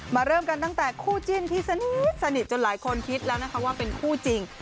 เริ่มกันตั้งแต่คู่จิ้นที่สนิทจนหลายคนคิดแล้วนะคะว่าเป็นคู่จริง